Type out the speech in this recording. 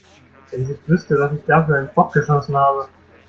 Wenn sie wüsste, was ich da für einen Bock geschossen habe!